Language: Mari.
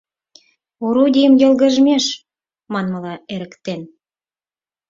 Орудийым йылгыжмеш, манмыла, эрыктен.